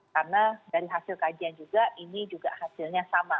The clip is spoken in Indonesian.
karena dari hasil kajian juga ini juga hasilnya sama